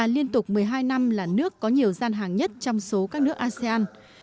là nước có nhiều gian hàng nhất trong số các nước asean